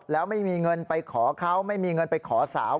แล้วไม่มีเงินไปขอเขาไม่มีเงินไปขอสาว